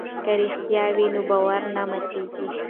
که رښتیا وي نو باور نه ماتیږي.